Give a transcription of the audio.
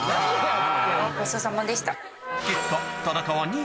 ごちそうさまでした。